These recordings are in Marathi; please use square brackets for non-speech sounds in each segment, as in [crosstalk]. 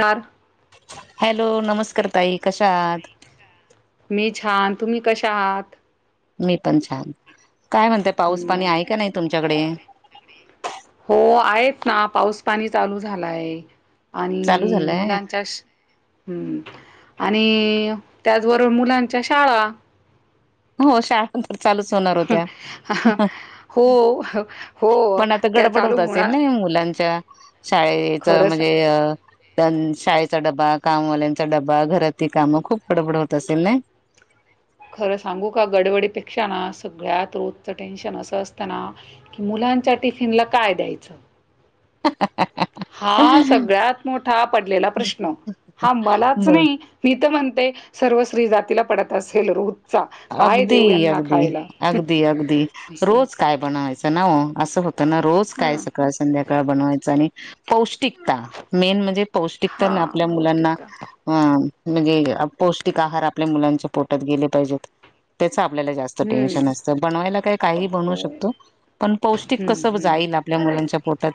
चार. हॅलो नमस्कार ताई कशा आात. मी छान तुम्ही कशा आहात. मी पण छान. काय म्हणतय पाऊस पाणी हम्म. आहे का नाही तुमच्याकडे? ह पाऊस पाणी चालू झालाय. चालू आणि झालंय? मुलांच्या श हं आ आणि त्याचबरोबर मुलांच्या शाळा. हो शाळां पण तर चालूच होणार होत्या. हो हो पण आता त्या गडबड चालू होत असेल होणार ना मुलांच्या शाळेच खरंच म्हणजे अ. शाळेचा डबा कामवाल्यांचा डबा घरातील कामं खूप बडबड होत असेल नाय. ह [unintelligible] खरं सांगू का गडबडीपेक्षा ना सगळ्यात रोजच टेन्शन असं असतना की मुला च्या टिफिन ला काय द्यायचं. हा सगळ्यात मोठा पडलेला प्रश्न. हा मलाच बर नाही मी तर म्हणते सर्व स्त्री जातीला पडत असेल. रोजचा. काय अगदी देऊ यांना अगदी खायला? अगदी अगदी असं. रोज काय बनवायचं चना, अस होत ना रोज काय हां, सकाळ संध्याकाळ बनवायचं आणि पौस टीकता मेन म्हणजे पौष्टिकता ना हां, आपल्या मुलांना पौष्टिकता. अ म्हणजे पौष्टिक आहार आपल्या मुलांच्या पोटात गेले पाजेत. च आपल्या जास्त हं. टेन्शन असत. बवायला काय काही बनवू हो. शकतो पण पोस्टीक हं, कस हं. जाईल आपल्या हं, मुलांच्या पोटात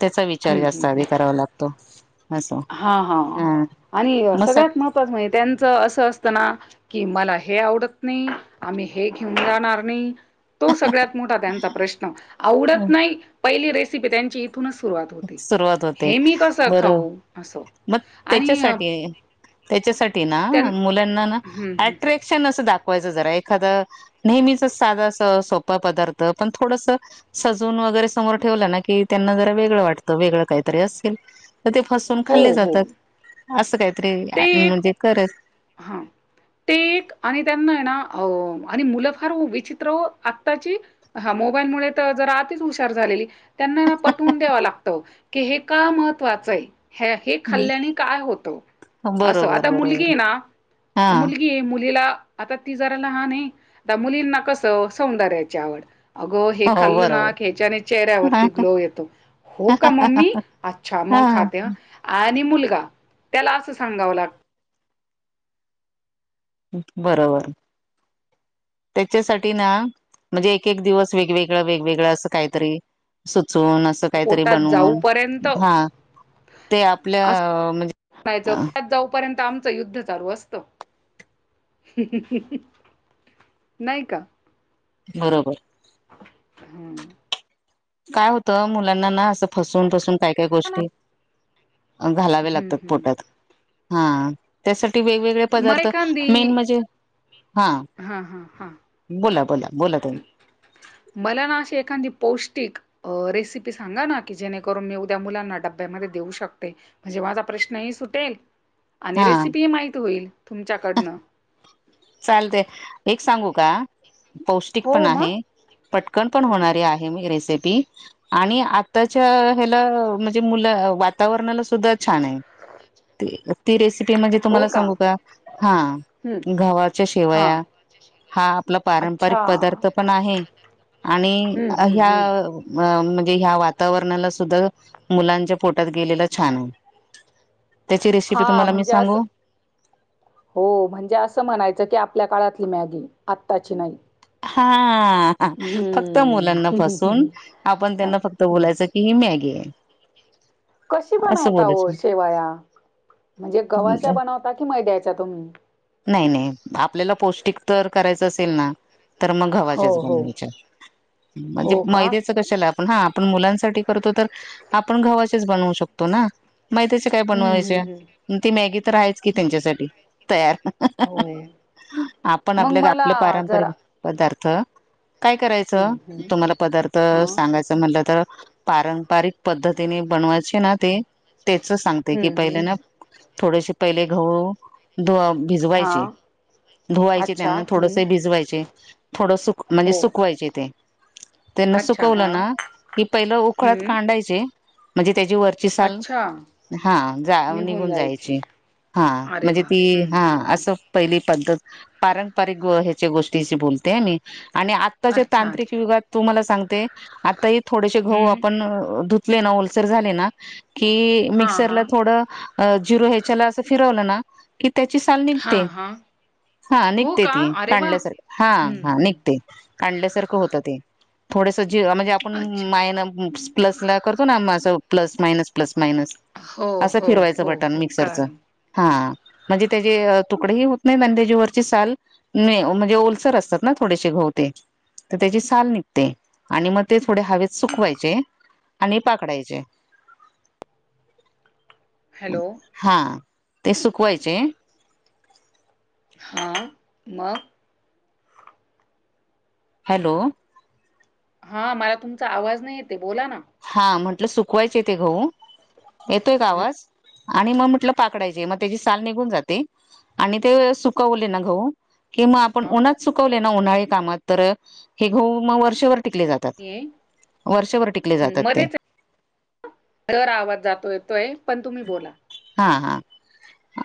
त्याचा विचार जास्त आधी करावा लागतो. असं हा हा आणि मग सगळ्यात महत्त्वाचं म्हणजे त्यांचं असं असतना कि मला हे आवडत नाही आम्ही हे घेऊन जाहणार नाही. तो सगळ्यात मोठा त्यांचा प्रश्न आवडत नाही पहिली रेसिपी त्यांची तूनच सुरुवात होती सुरुवात होते हे मी कसं बरं खाऊ असं मग आणि अ त्याच्यासाठी त्याच्यासाठी ना मुलांना ना हं, हं. अट्रॅक्शन ण दाखवायचा जरा एखादा नेहमीच साद आस सोपा पदार्थ पण थोडंसं साज उन वगैरे समोर ठेवल ना की त्यांना जरा वेगळ वाटत वेगळ काहीतरी असेल तर ते फसून हो, खाल्ले हो. जातात अस काय ते एक हा ते एक आणि त्यांना येना. आणि मुलं फार विचित्र आत्ताची ह मोबाईलमुळे जरा आतिच हुशार झालेली. त्याना पठवून द्याव लागत की हे का महत्त्वाचं आहे. ह हे खाल्ल्याने काय होतं. असं बरोबर आता मुलगी बरोबर आहे ना हा मुलगी मुलीला आता ती जरा लहान ने मुलींना कसं सौंदर्याची आवड. अगो हे हो खाल्लं ना बरोबर ह्याच्याने चेहऱ्यावरती ग्लो येतो. हो का मम्मी अच्छा मग हा खे ह आणि मुलग त्याला असं सांगावं लागत बरोबर त्याच्यासाठी ना म्हणजे एक एक दिवस वेगवेगळ वेगवेगळं असं काहीतरी चून असं काहीतरी पोटात बनवून जाऊपर्यंत हा ते आपल्या म्हणजे आमच युद्ध चालू असत नाही का बरोबर हम्म काय होतं मुलांना ना असं फसून फसून काय काय मला गोष्टी घालावे हं, लागतात हं. पोटात हा त्यासाठी वेगवेगळे पदार्थ मेन म्हणजे हा हा हा बोला बोला बोला ताई मला ना अशी एखादी पौष्टिक रेसिपी सांगा ना की जेणेकरून मी उद्या मुलांना डब्यामध्ये देऊ शकते म्हणजे माझा प्रश्नही सुटेल आणि हा रेसिपी माहीत होईल तुमच्याकडनं चालते एक सांगू का पौष्टिक पण हो मग? आहे पटकन पण हं. होणारी आहे आणि आताच्या ह्याला म्हणजे मुलं वातावरणाला सुद्धा छान आहे ती रेसिपी म्हणजे तुम्हाला सांगू का हा हं. गवा हां. शिवया हा आपला पारंपरिक अच्छा. पदार्थ पण आहे आणि हं, हं, ह्या हं. म्हणजे या वातावरणाला सुद्धा मुलांच्या पोटात गेलेला छान होईल हा म्हणजे अस हो म्हणजे असं म्हणायचं की आपल्या काळातली मॅगी आत्ताची नाही हा फक्त मुलांना फसून हम्म आपण हा त्यांना फक्त हम्म. बोलायचं की ही मॅगी आहे कशी असं बनवता ओ बोलायचं शेवया म्हणजे गव्हाच्या बनवता कि मैद्याचा तुम्ही नाही नाही आपल्याला पौष्टिक तर करायचं असेल ना तर मग हो गव्हाच्याच हो बनवायच्या हो म्हणजे का मैद्याच कशाला आपण हा आपण मुलांसाठी करतो तर आपण गव्हाचेच बनवू शकतो ना मैद्याचे काय हम्म बनवायचे हम्म हम्म ती मॅगी तर आहेच की त्यांच्यासाठी तयार हो आपण मग आपल्या मला आपलं पारंपरिक जरा पदार्थ काय करायचं हम्म हम्म तुम्हाला पदार्थ हा सांगायचं म्हटलं तर पारंपरिक पद्धतीने बनवायचे ना ते तेच सांगते की हम्म पहिले हम्म ना थोडेसे पहिले गहू हा भिजवायचे धुवायचे अच्छा त्यांना हम्म थोडसे भिजवायचे थोडं सुक म्हणजे हो सुकवायचे ते त्यांना अच्छा हा सुकवलं ना की पहिलं उकडत हम्म कांडायचे म्हणजे त्याची वरची साल अच्छा हा जा निघून जायची हा अरे म्हणजे वा ती हम्म हा हम्म असं पहिली पद्धत पारंपरिक ह्याच्या गोष्टीशी बोलते मी आणि आत्ताच्या अच्छा तांत्रिक अच्छा युगात तुम्हाला सांगते आताही थोडेसे गहू हम्म आपण ना ओलसर झाले ना की हां मिक्सरला हां थोडं अ झिरो ह्याच्याला अस फिरवलं ना की त्याची साल हां निघते हां हा हो निघते का? ती अरे वाह! काांढल्यासारखी हा हं, हा हं. निघते काढल्यासारखं होतं ते थोडस ज म्हणजे आपण अच्छा. मायन प्लस ला करतो ना असं प्लस मायनस प्लस मायनस हो, असं हो, फिरवायचं हो, बटन हो. मिक्सरच कळालं. हा म्हणजे त्याचे तुकडेही होत नाही आणि त्याच्यावररची साल म्हणजे र असतात ना थोडेसे गहू ते तर त्याची साल निघते आणि म ते थोडे हवेत सुकवायचे आणि पाखडायचे हॅलो ते सुकवायचे हां मग हॅलो हा मला तुमचा आवाज नाही येते बोला ना हा म्हंटलं सुकवायचे ते गहू येतोय का आवाज आणि म म्हटलं पाखडायचे म त्याची साल निघून जाते आणि ते सुकवले ना गहू कि मग आपण हां, उन्हात सुकवले ना उन्हाळी कामात तर हे गहू मग वर्षभर टिकले जातात वर्षभर टिक ह् मध्येच दर आवाज जातो येतोय पण तुम्ही बोला हा, हा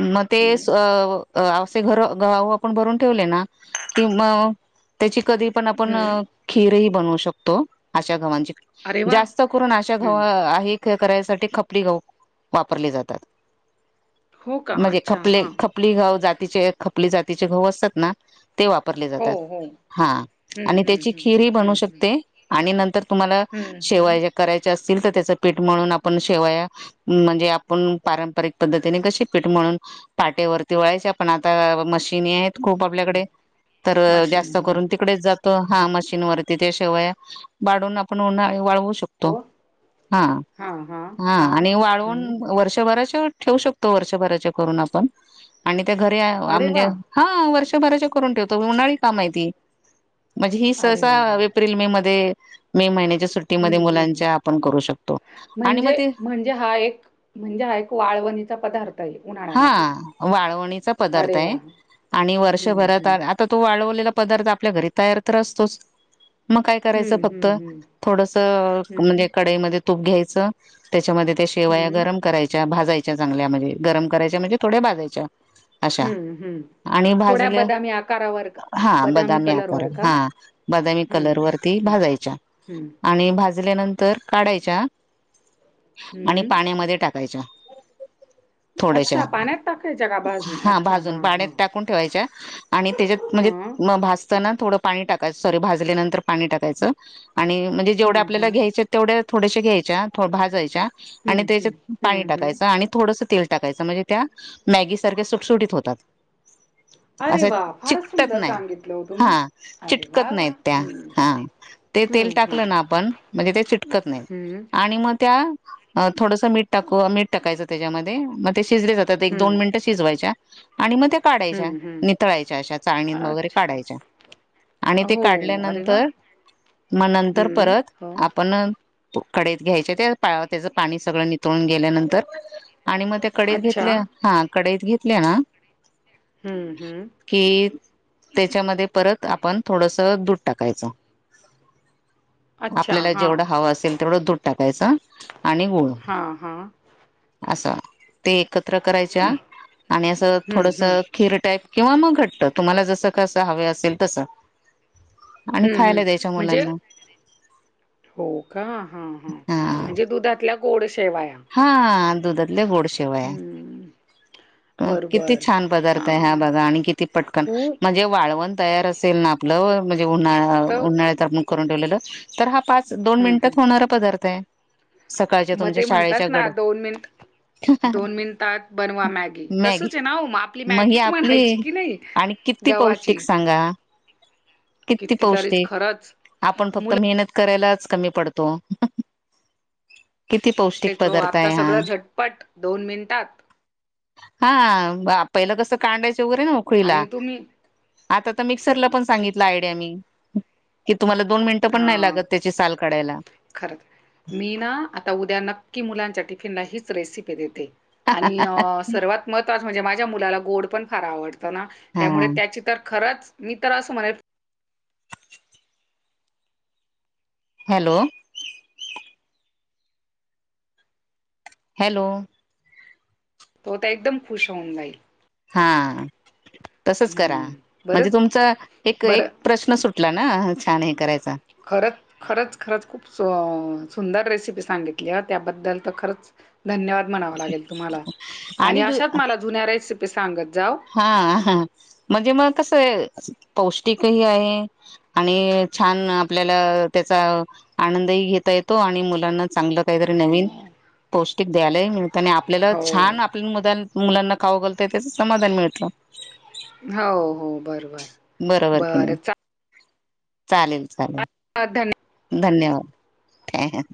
म ते हं, असे घर गहू आपण भरून ठेवले ना कि म त्याची कधी पण आपण हं. खीर बनवू शकतो अशा गव्हाणची अरे वाह! जास्त करून अशे गहू हं. आहे खीर करायसाठी खपली गहू वापरली जातात हो का? म्हणजे अच्छा. खपले हां. खपली गहू जातीचे खपली जातीचे गहू असतात ना ते वापरले हो, जातात हो. हा हं, आणि हं, त्याची हं. खीरही बनू हं, हं. शकते आणि नंतर तुम्हाला हं, हं. शेवाय करायचे अस असतील तर आपण त्याच पीठ मळून आपण शेवया म्हणजे आपण पारंपरिक पद्धतीने कशी पीठ मळून पाटेवररती वळायची पण आता मशीनी आहेत खूप आपल्याकडे तर मशानी. जास्त हो. करून तिकडेच जातो हा मशीनवररती त्या शेवया पाडून आपण उन्हा वाळवून शकतो हो. हा, हां, हां, हा हां. आणि वाळवून हं. वर्ष बर्‍याच ठेऊ शकतो वर्षभराच्या करुन आपण अणि त्या घरी अ अरे म्हणजे वाह! हा बराच करून ठेवतो उन्हाळी काम आहे ती म्हणजे ही अरे सहसा वाह, वाह! एप्रिल मे मध्ये मे महिने सुट्टी मध्ये हं, हं. मुलांच्या आपण करू शकतो आणि म म्हणजे ते म्हणजे हा एक म्हणजे हा एक वाळवणीचा पदार्थ आहे हा उन्हाळ्यामधला. वाळवणीचा पदार्थ अरे आहे वाह! आणि हम्म, वर्षभरात हम्म. आता तो वाळवलेला पदार्थ आपल्या घरी तयार तर असतोच मग काय करायचं हम्म, फक्त हम्म, हम्म. थोडस हम्म, म्हणजे कढईमध्ये तूप घ्यायचं त्याच्यामध्ये त्या शेवया हम्म, गरम करायच्या भाजायच्या चांगल्या म्हणजे गरम करायच्या म्हणजे थोड्या भाजयच्या ह, ह आणि भाजले हा बदामी आकार कलरवर का? हा बदामी कलर हम्म, वरती हं, भाजायच्या हं, आणि भा भाजल्यानंतर काढायच्या आणि हं. पाण्यामध्ये टाका कायच्या थोड्याशा अच्छा पाण्यात टाकायच्या का भाजून? हा अच्छा. भाजून हां, पाण्यात हां. टाकून ठेवायच्या आणि त्याच्यात म्हणजे हां. भाजताना थोडं पाणी टाकायच सॉरी भाजल्यानंतर पाणी टाकायचं आणि म्हणजे जेवढ्या हां, आपल्याला हां. घ्यायच्या तेवढ्या थोडश घ्यायच्या भाजायच्या आणि हं, हं. त्याच्यात पाणी हं, हं. टाकायचं आणि थोडस टाकायच म्हणजे त्या मॅगी सारख्या सुटसुटीत होतात अरे असं वाह! फारच चिकटत सुंदर सांगितलं हो नाहीत तुम्ही. हा अरे चिटकत वाह, नाहीत वाह! त्या हं, हा ते तेल हं, हं. टाकलं ना आपण म्हणजे ते चिटकत नाही हं, आणि मग त्या थोडसं मीठ टाकू मीठ टाकायचं त्याच्यामध्ये मग ते शिजले जातात एक दोन हं, मिनिटं शिजवायच्या आणि मग त्या काढायच्या हं, हं. नितळायच्या अशा चाळणी वगैरे अच्छा काढायच्या आणि ते हो अरे वाह! काढल्यानंतर म नंतर हं, परत हो. आपण न कडइत घ्यायचे ते त्याचं पाणी सगळं नितळून गेल्यानंतर आणि मग त्या कढईत अच्छा. घेतल्या, हा काढईत घेतल्या ना हम्म हम्म की त्याच्यामध्ये परत आपण थोडसं दूध टाकायचं. अच्छा. आपल्याला हां, जेवढ हवं असेल तेवढं दूध टाकायचं आणि गुळ हा, हा असं. ते एकत्र करायच्या आणि असं हं, थोडस हं. खीर टाईप किंवा मग घट्ट तुम्हाला, जसं कसं हवे असेल तसं आणि हम्म, हम्म खायला द्यायच्या म्हणजे मुलांना हो का? हा, हा म्हणजे दुधातल्या गोड शेवाया लई गोड शेवाया किती बरोबर. छान पदार्थ आहे हा, हां, बघा आणि किती पटकन खूप म्हणजे वाळवण तयार असेल ना आपलं म्हणजे उन्हाळा, तर उन्हाळ्यात आपणं करून ठेवलेलं तर हा पाच, दोन हं, हं. मिनिटात होणारा पदार्थ आहे. सकाळच्या मग तुमच्या ते शाळेच्या म्हणतात गड ना दोन मिनिट दोन मिनिटात बनवा मॅगी, तसच आहे ना हो? मग आपली ही मॅगीच आपली म्हणायची की नाही. आणि किती पौष्टिक गव्हाची? सांगा. किती कितीतरीच पौष्टिक, खरंच आपण फक्त मुलं मेहनत करायलाच कमी पडतो. किती पौष्टिक पदार्थ आहे हा. पट दोन मिनिटांत. हा, पहिलं कसं कांडायचं आणि तुम्ही आता तर मिक्सरला पण सांगितलं आईडिया मी. कित तुम्हाला दोन मिनट पणं नाही हा लागत त्याची साल काढायला. खरंच मी ना आता उद्या नक्की मुलांच्या टी फिनला हीच रेसिपी देते आणि सर्वात महत्वाचं म्हंणजे मा झ्या मुलाला गोड पण फार आवडत ना, हा त्यामुळे त्याचीं तर खरंच मी तर अस म्हणेल हॅलो. हॅलो. तो त एकदम खुश होऊन जाईल. हा. तसच करा, हम्म म्हणजे बरंच तुमचा एक एक बरं प्रश्न सुटला ना, छान हे करायचं खरंच, खरंच, खरंच खूप सू अ सुंदर रेसिपी सांगितली त्याबद्दल तर खरंच धन्यवाद म्हणावं लागेल तुम्हाला. आणि अशात मला जुन्या रेसिपी सांगत जाव हा हा म्हणजे मग कस, पौष्टिकही आहे. आणि छान आपल्याला त्याचा आनंदही घेता येतो आणि मुलांना चांगलं काही तर नवीन हो पौष्टिक द्यायला ही मिळ त. त्याने आपल्याला हो. छान आपल्या मुदा मुलांना खाऊं घालतोय त्याच समाधान मिळ त. हो हो बरोबर. बरोबर कि नाही, बरं. चा चालेल, चालेल. धन्यवाद. धन्यवाद.